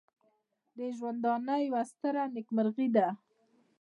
د ژوندانه یوه ستره نېکمرغي ده.